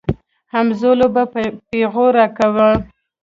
همزولو به پيغور راکاوه.